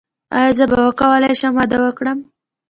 ایا زه به وکولی شم واده وکړم؟